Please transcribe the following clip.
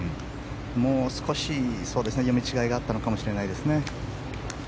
もう少し、読み違いがあったのかもしれないですね。